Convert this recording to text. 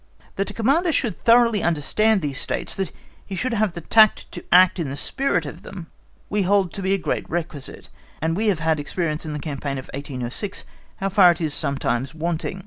That a Commander should thoroughly understand these states, that he should have the tact to act in the spirit of them, we hold to be a great requisite, and we have had experience in the campaign of 1806 how far it is sometimes wanting.